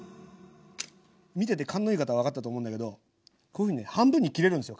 見てて勘のいい方は分かったと思うんだけどこういうふうにね半分に切れるんですよ